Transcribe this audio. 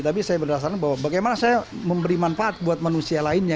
tapi saya berdasarkan bahwa bagaimana saya memberi manfaat buat manusia lainnya